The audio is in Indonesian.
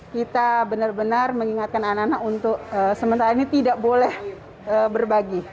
kita benar benar mengingatkan anak anak untuk sementara ini tidak boleh berbagi